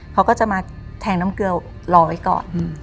เขาก็จะมาแทงน้ำเกลือรอไว้ก่อน